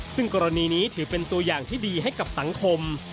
ซึ่งกรณีนี้ถือเป็นตัวอย่างที่ดีให้กับสังคม